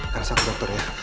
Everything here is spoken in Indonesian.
karena sakit dokternya